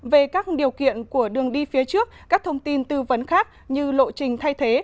về các điều kiện của đường đi phía trước các thông tin tư vấn khác như lộ trình thay thế